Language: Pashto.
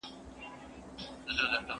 کرکټ نړیوال جام افغانان سره یو کړي وو.